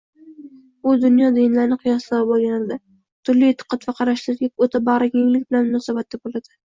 U dunyo dinlarini qiyoslab oʻrganadi, turli eʼtiqod va qarashlarga oʻta bagʻrikenglik bilan munosabatda boʻladi